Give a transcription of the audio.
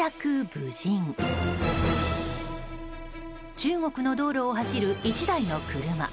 中国の道路を走る１台の車。